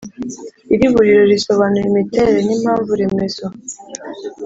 iriburiro risobanura imiterere n'impamvu remezo